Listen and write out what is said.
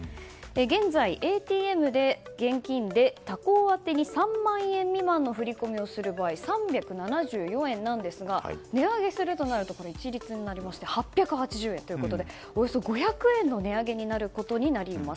現在、ＡＴＭで現金で他行宛てに３万円未満の振り込みをする場合３７４円なんですが値上げするとなると一律になって８８０円ということでおよそ５００円の値上げになることになります。